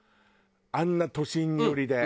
あんな都心寄りで。